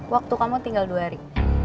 waktu kamu tinggal dua hari